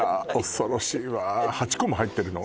恐ろしいわ８個も入ってるの？